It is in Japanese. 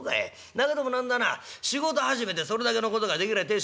だけども何だな仕事始めでそれだけのことができりゃてえしたもんだ。